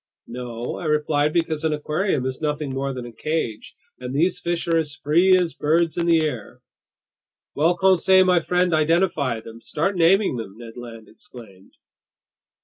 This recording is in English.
"No," I replied, "because an aquarium is nothing more than a cage, and these fish are as free as birds in the air!" "Well, Conseil my friend, identify them! Start naming them!" Ned Land exclaimed.